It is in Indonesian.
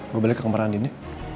gue balik ke kemaraan dini